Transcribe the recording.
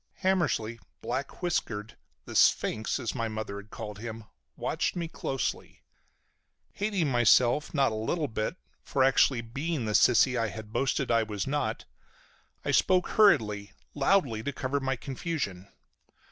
Hammersly, black whiskered, the "sphinx" as my mother had called him, watched me closely. Hating myself not a little bit for actually being the sissy I had boasted I was not, I spoke hurriedly, loudly, to cover my confusion.